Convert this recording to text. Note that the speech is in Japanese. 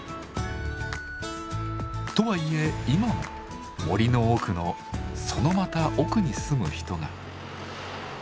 とはいえ今も森の奥のそのまた奥に住む人が。